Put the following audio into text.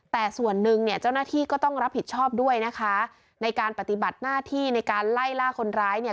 แต่ส่วนหนึ่งเนี่ยเจ้าหน้าที่ก็ต้องรับผิดชอบด้วยนะคะในการปฏิบัติหน้าที่ในการไล่ล่าคนร้ายเนี่ย